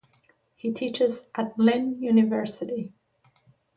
He teaches at Lynn University.